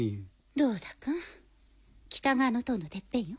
どうだか北側の塔のてっぺんよ。